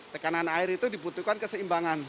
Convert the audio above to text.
tekanan air itu dibutuhkan keseimbangan